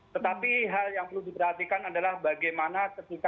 tetapi hal yang perlu diperhatikan adalah bagaimana ketika kami dan teman teman berada di rumah